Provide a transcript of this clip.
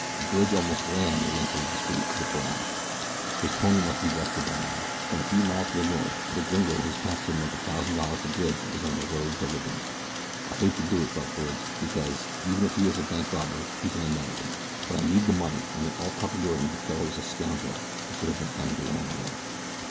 Bridge almost ran the length of the street to the corral. His pony must be rested by now, and a few miles to the north the gringo whose capture meant a thousand dollars to Bridge was on the road to liberty. "I hate to do it," thought Bridge; "because, even if he is a bank robber, he's an American; but I need the money and in all probability the fellow is a scoundrel who should have been hanged long ago."